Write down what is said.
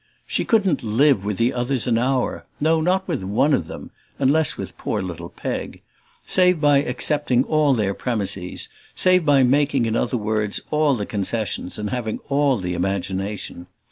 She couldn't live with the others an hour no, not with one of them, unless with poor little Peg save by accepting all their premises, save by making in other words all the concessions and having all the imagination.